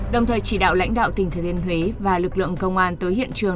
đồng thời chỉ đạo lãnh đạo tỉnh thừa thiên huế và lực lượng công an tới hiện trường